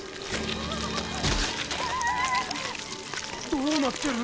どうなってる？